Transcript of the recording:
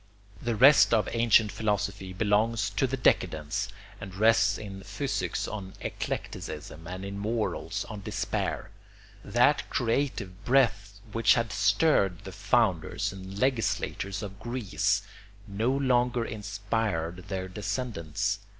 The rest of ancient philosophy belongs to the decadence and rests in physics on eclecticism and in morals on despair. That creative breath which had stirred the founders and legislators of Greece no longer inspired their descendants.